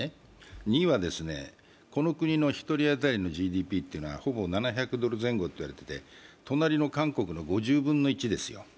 ２はこの国の１人当たりのＧＤＰはほぼ７００ドル前後といわれてて隣の韓国の５０分の１ですよ。